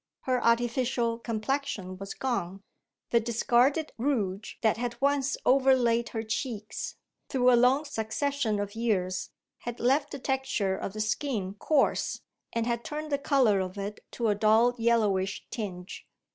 Her artificial complexion was gone. The discarded rouge that had once overlaid her cheeks, through a long succession of years, had left the texture of the skin coarse, and had turned the colour of it to a dull yellowish tinge.